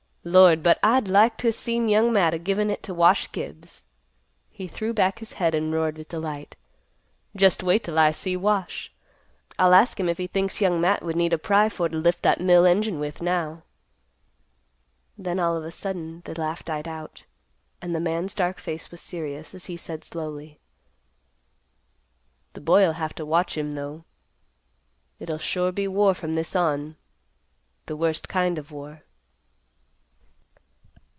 Lord! But I'd like to o' seen Young Matt a givin' it to Wash Gibbs!" He threw back his head and roared with delight. "Just wait 'till I see Wash. I'll ask him if he thinks Young Matt would need a pry for to lift that mill engine with, now." Then all of a sudden the laugh died out, and the man's dark face was serious, as he said, slowly, "The boy'll have to watch him, though. It'll sure be war from this on; the worst kind of war."